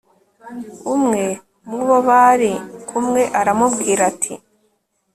umwe mu bo bari kumwe aramubwira ati